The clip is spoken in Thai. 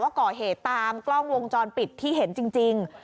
ก่อเหตุตามกล้องวงจรปิดที่เห็นจริง